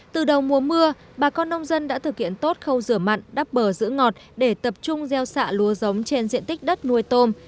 từ đầu mùa mưa bà con nông dân đã thực hiện tốt khâu rửa mặn đắp bờ giữ ngọt để tập trung gieo xạ lúa giống trên diện tích đất nuôi tôm